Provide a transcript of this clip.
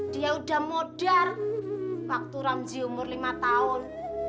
dia udah modar waktu ramji umur lima tahun